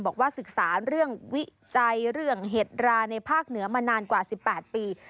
บอกว่าศึกษาเรื่องวิจัยเรื่องเห็ดราในภาคเหนือมานานกว่า๑๘ปี